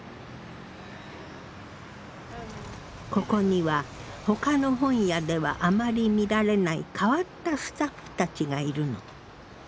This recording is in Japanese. ここにはほかの本屋ではあまり見られない変わったスタッフたちがいるの。